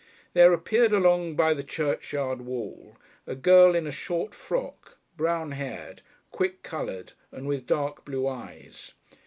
There appeared along by the churchyard wall a girl in a short frock, brown haired, quick coloured, and with dark blue eyes.